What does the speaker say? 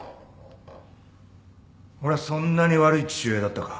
俺はそんなに悪い父親だったか？